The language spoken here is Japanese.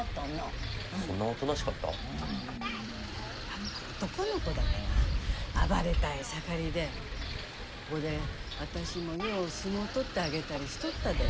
やっぱ男の子だから暴れたい盛りでここで私もよう相撲取ってあげたりしとったで。